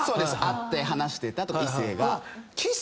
会って話してた異性が。